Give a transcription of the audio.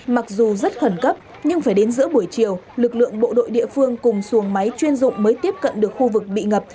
mặc dù rất khẩn cấp nhưng phải đến giữa buổi chiều lực lượng bộ đội địa phương cùng xuồng máy chuyên dụng mới tiếp cận được khu vực bị ngập